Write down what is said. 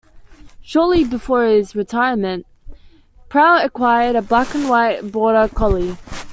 Shortly before his retirement, Prout acquired a black and white Border Collie.